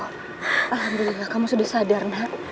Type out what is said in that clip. alhamdulillah kamu sudah sadar